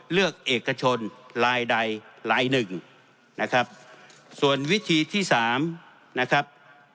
เลือกเอกชนลายใดลายหนึ่งนะครับส่วนวิธีที่สามนะครับ